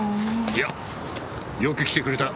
いやよく来てくれた。